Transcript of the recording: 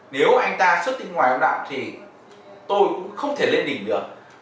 nếu anh ta xuất tinh ngoài anh đạo thì tôi cũng không thể lên đỉnh được